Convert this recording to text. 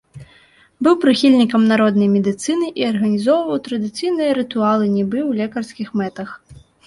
Быў прыхільнікам народнай медыцыны і арганізоўваў традыцыйныя рытуалы нібы ў лекарскіх мэтах.